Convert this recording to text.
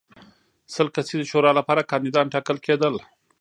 د سل کسیزې شورا لپاره کاندیدان ټاکل کېدل.